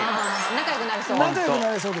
仲良くなれそうですすぐ。